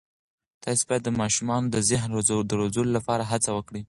تاسې باید د ماشومانو د ذهن د روزلو لپاره هڅه وکړئ.